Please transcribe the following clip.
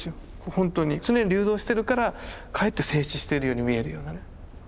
ほんとに常に流動してるからかえって静止しているように見えるようなね。